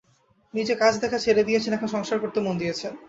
নিজে কাজ দেখা ছেড়ে দিয়েছেন, এখন সংসার করতে মন দিয়েছেন।